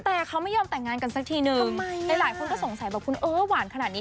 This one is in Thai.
แต่เขาไม่ยอมแต่งงานกันสักทีนึงทำไมหลายคนก็สงสัยแบบคุณเออหวานขนาดนี้